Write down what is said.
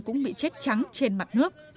cũng bị chết trắng trên mặt nước